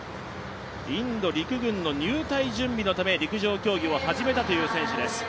インド陸軍の入隊準備のため、陸上競技を始めたという選手です。